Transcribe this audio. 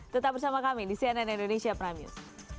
tetap bersama kami di cnn indonesia prime news